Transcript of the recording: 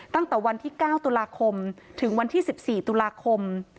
ตั้งแต่วันที่๙ตุลาคมถึงวันที่๑๔ตุลาคม